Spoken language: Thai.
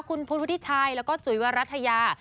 คุณพุทธวุฒิชัยแล้วก็จุ๋ยวรัฐยา